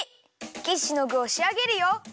キッシュのぐをしあげるよ。